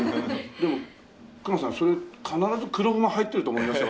でも隈さんそれ必ず黒胡麻入ってると思いますよ。